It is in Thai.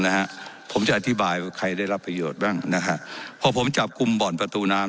นะฮะผมจะอธิบายว่าใครได้รับประโยชน์บ้างนะฮะพอผมจับกลุ่มบ่อนประตูน้ำ